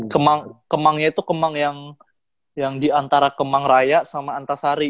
kemangnya itu kemang yang di antara kemang raya sama antasari